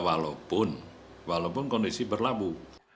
walaupun kondisi berlabuh